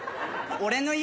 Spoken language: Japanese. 俺の家